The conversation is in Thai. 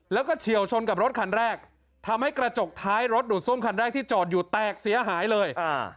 แล้วก็เฉียวชนกับรถคันแรกทำให้กระจกท้ายรถดูดส้มคันแรกที่จอดอยู่แตกเสียหายเลยอ่า